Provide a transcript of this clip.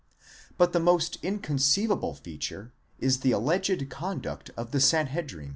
But the most inconceivable feature is the alleged conduct of the Sanhedrim.